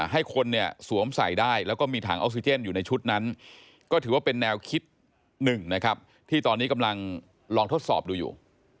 ให้คนเนี่ยสวมใส่ได้แล้วก็มีถังออกซิเจนอยู่ในชุดนั้นก็ถือว่าเป็นแนวคิดหนึ่งนะครับที่ตอนนี้กำลังลองทดสอบดูอยู่